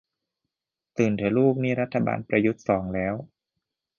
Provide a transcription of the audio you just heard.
ตื่นเถอะลูกนี่รัฐบาลประยุทธ์สองแล้ว